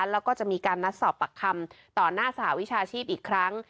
แล้วก็จะมีการนัดสอบปากคำต่อหน้าสหวิชาชีพอีกครั้ง